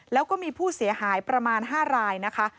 แล้วก็มีผู้เสียหายประมาณ๕รายนะคะ